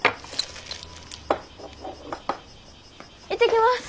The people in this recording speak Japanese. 行ってきます。